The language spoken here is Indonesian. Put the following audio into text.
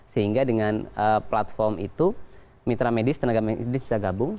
sehingga dengan platform itu mitra medis tenaga medis bisa gabung